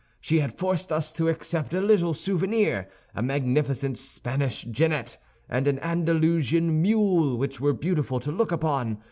She had forced us to accept a little souvenir, a magnificent Spanish genet and an Andalusian mule, which were beautiful to look upon.